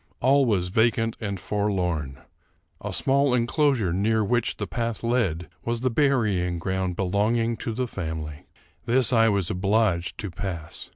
All was vacant and forlorn. A small enclosure near which the path led was the burying ground belonging to the family. This I was obliged to pass.